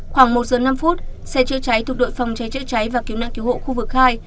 khoảng một giờ năm phút xe chữa cháy thuộc đội phòng cháy chữa cháy và cứu nạn cứu hộ khu vực hai